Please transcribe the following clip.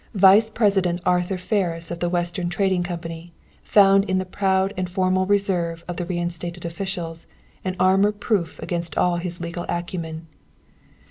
Vice President Arthur Ferris of the Western Trading Company found in the proud and formal reserve of the reinstated officials an armor proof against all his legal acumen.